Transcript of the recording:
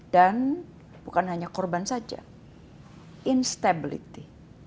dan bukan hanya korban saja instability